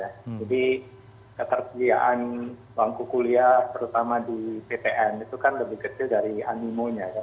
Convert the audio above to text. jadi ketersediaan bangku kuliah terutama di ptn itu kan lebih kecil dari animonya kan